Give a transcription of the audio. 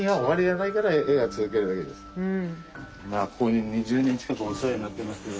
まあここに２０年近くお世話になってますけど。